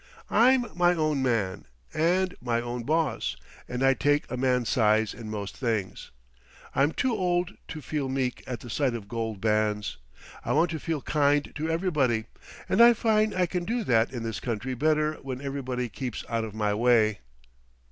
I'm my own man and my own boss, and I take a man's size in most things. I'm too old to feel meek at the sight of gold bands. I want to feel kind to everybody, and I find I can do that in this country better when everybody keeps out of my way."